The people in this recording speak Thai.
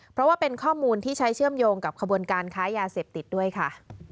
เพราะว่าเป็นข้อมูลที่ใช้เชื่อมโยงกับขบวนการค้ายาเสพติดด้วยค่ะ